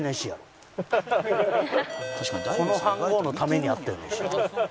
この飯ごうのためにあったような石。